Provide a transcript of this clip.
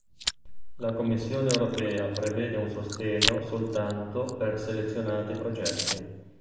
La Commissione europea prevede un sostegno soltanto per selezionati progetti.